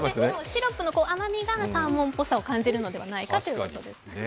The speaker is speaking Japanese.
シロップの甘みがサーモンぽさを感じるのではないかということです。